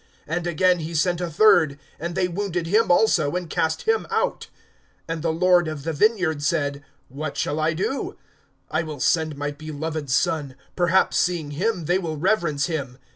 (12)And again he sent a third; and they wounded him also, and cast him out. (13)And the lord of the vineyard said: What shall I do? I will send my beloved son; perhaps, seeing him, they will reverence him.